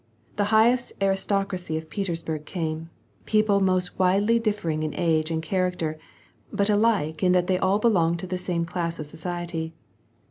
The highest aristocracy of Petersburg came ; peopl most widely differing in age and in character, but alike that they ail belonged to the same class of society.